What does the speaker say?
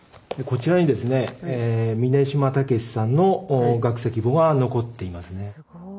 こちらにですね峯島武さんの学籍簿が残っていますね。